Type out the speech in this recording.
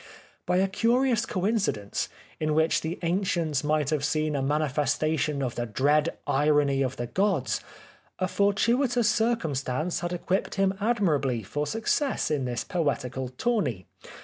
By a curious coincidence, in which the ancients might have seen a manifestation of the dread irony of the gods, a fortuitous circumstance had equipped him admirably for success in this poetical tourney.